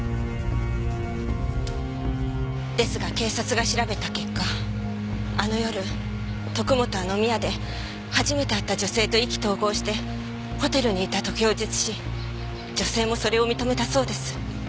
ですが警察が調べた結果あの夜徳本は飲み屋で初めて会った女性と意気投合してホテルにいたと供述し女性もそれを認めたそうです。